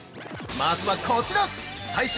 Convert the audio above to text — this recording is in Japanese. まずは、こちら最新！